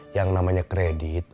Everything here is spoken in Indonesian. yang namanya kredit